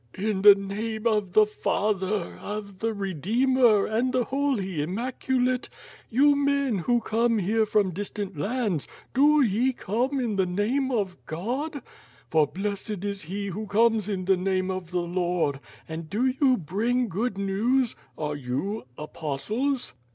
"In the name of the Father, of the Redeemer, and the Holy Immaculate! You men who come here from distant lands, do ye come in the name of God?" "For blessed is he who comes in the name of the Lord. And do you bring good news, are you apostles?"